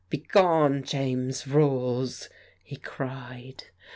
"Begone, James Rolls! " he cried.